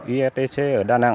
istc ở đà nẵng